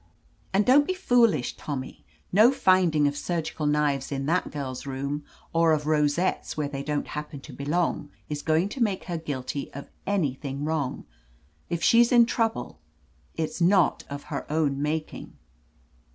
And —don't be foolish, Tommy. No finding of surgical knives in that girl's room, or of ro settes where they don't happen to belong, is going to make her guilty of an3rthing wrong. If she's in trouble, it's not of her own making."